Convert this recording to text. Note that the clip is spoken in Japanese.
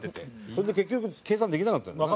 それで結局計算できなかったんだよな？